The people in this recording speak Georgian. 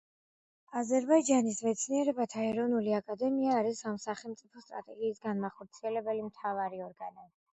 აზერბაიჯანის მეცნიერებათა ეროვნული აკადემია არის ამ სახელმწიფო სტრატეგიის განმახორციელებელი მთავარი ორგანო.